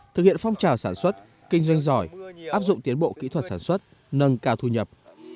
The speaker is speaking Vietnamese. thực hiện phong trào sản xuất kinh doanh giỏi áp dụng tiến bộ kỹ thuật sản xuất nâng cao thu nhập